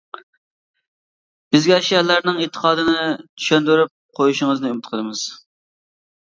بىزگە شىئەلەرنىڭ ئېتىقادىنى چۈشەندۈرۈپ قويۇشىڭىزنى ئۈمىد قىلىمىز؟ .